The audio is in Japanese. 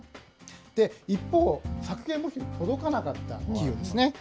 一方、削減目標に届かなかった企業ですね。